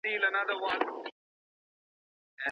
که د نباتاتو ناروغۍ کنټرول سي، نو فصلونه نه له منځه ځي.